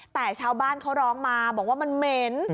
แต่ชาวบ้านเขาร้องมาบอกว่ามันเหม็น